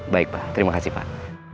baik pak terima kasih pak